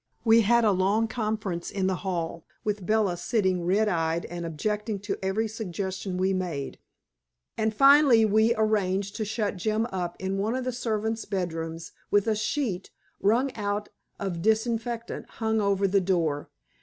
We had a long conference in the hall, with Bella sitting red eyed and objecting to every suggestion we made. And finally we arranged to shut Jim up in one of the servants' bedrooms with a sheet wrung out of disinfectant hung over the door.